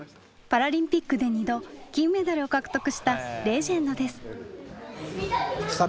パラリンピックで２度金メダルを獲得したレジェンドです。